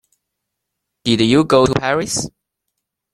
Did you go to Paris?